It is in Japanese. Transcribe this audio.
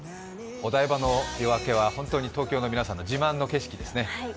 お台場の夜明けは本当に東京の皆さんの自慢の景色ですね。